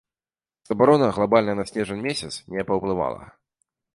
Забарона глабальна на снежань месяц не паўплывала.